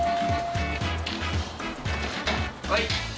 はい。